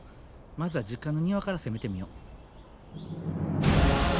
まずは実家の庭から攻めてみよ。